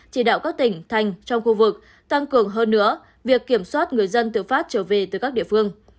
chỉ đạo các tỉnh thành trong khu vực tăng cường hơn nữa việc kiểm soát người dân tự phát trở về từ các địa phương